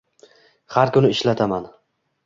Har kuni ishlataman